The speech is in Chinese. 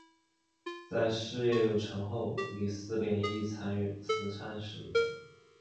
在事业有成后李思廉亦参与慈善事业。